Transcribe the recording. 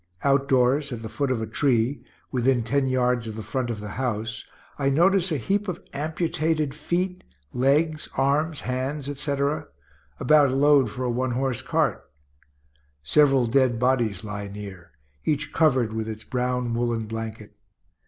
Outdoors, at the foot of a tree, within ten yards of the front of the house, I notice a heap of amputated feet, legs, arms, hands, etc. about a load for a one horse cart. Several dead bodies lie near, each covered with its brown woollen blanket.